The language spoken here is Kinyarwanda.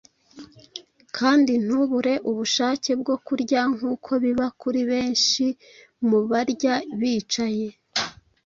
kandi ntubure ubushake bwo kurya nk’uko biba kuri benshi mu barya bicaye.